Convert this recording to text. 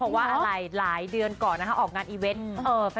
เพราะว่าหลายเดือนก่อนออกงานอีเวนต์